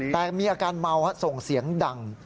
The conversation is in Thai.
แต่มีอาการเมาส่งเสียงดัง